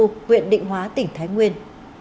nguyện định hóa tỉnh thái nguyên